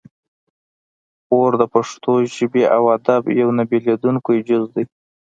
غور د پښتو ژبې او ادب یو نه بیلیدونکی جز دی